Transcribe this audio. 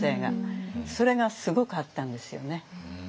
それがすごくあったんですよね。